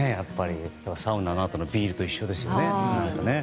サウナのあとのビールと一緒ですよね。